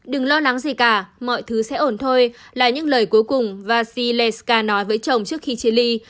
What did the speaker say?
đừng lo lắng gì cả mọi thứ sẽ ổn thôi là những lời cuối cùng vasileska nói với chồng trước khi chia ly